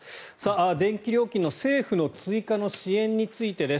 電気料金の政府の追加の支援についてです。